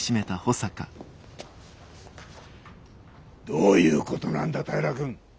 どういうことなんだ平君！